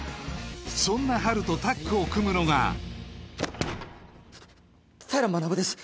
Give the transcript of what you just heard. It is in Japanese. そんなハルとタッグを組むのが平学です